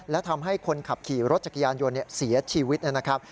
และทำให้คนขับขี่รถจักรยานยนต์เสียชีวิตนะครับ